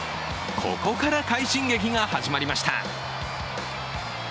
ここから快進撃が始まりました。